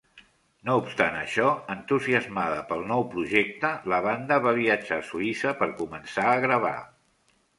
No obstant això, entusiasmada pel nou projecte, la banda va viatjar a Suïssa per començar a gravar.